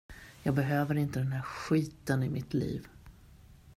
Jag behöver inte den här skiten i mitt liv.